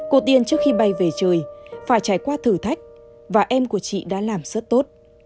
cô tiên trước khi bay về trời phải trải qua thử thách và em của chị đã làm rất tốt